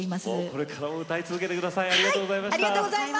これからも歌い続けてください。